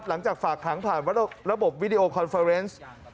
หลังจากฝากขังผ่านระบบวิดีโอคอนเฟอร์เนส